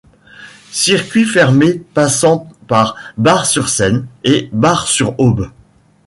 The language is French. Circuit fermé passant par Bar-sur-Seine et Bar-sur-Aube.